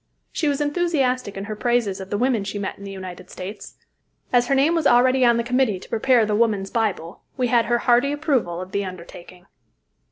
She was enthusiastic in her praises of the women she met in the United States. As her name was already on the committee to prepare "The Woman's Bible," we had her hearty approval of the undertaking.